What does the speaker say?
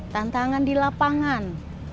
tantangan di lapangan